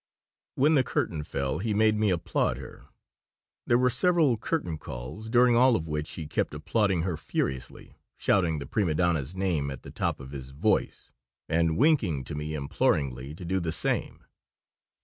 When the curtain fell he made me applaud her. There were several curtain calls, during all of which he kept applauding her furiously, shouting the prima donna's name at the top of his voice and winking to me imploringly to do the same.